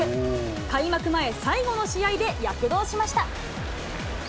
開幕前、最後の試合で躍動しました。